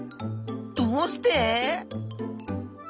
どうして？